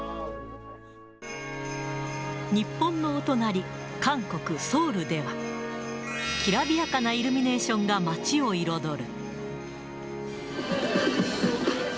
日本のお隣、韓国・ソウルでは、きらびやかなイルミネーションが街を彩る。